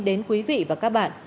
đến quý vị và các bạn